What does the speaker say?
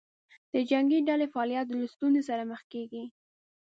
د جنګې ډلې فعالیت له ستونزې سره مخ کېږي.